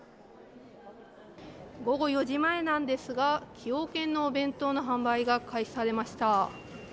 午後４時前なんですが、崎陽軒のお弁当の販売が開始されました。